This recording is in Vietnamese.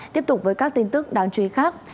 tiếp tục với các tin tức đáng chú ý khác